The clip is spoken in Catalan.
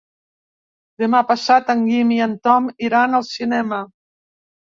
Demà passat en Guim i en Tom iran al cinema.